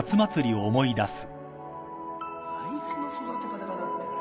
あいつの育て方がなってないんだ